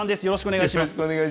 よろしくお願いします。